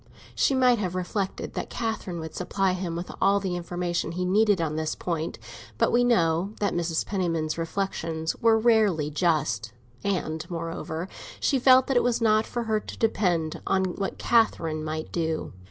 She might have reflected that Catherine would supply him with all the information he needed on this point; but we know that Mrs. Penniman's reflexions were rarely just; and, moreover, she felt that it was not for her to depend on what Catherine might do.